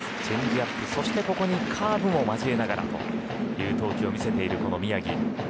ストレート、チェンジアップそしてここにカーブを交えながらという投球を見せているこの宮城。